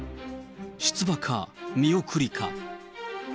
出馬か、見送りか。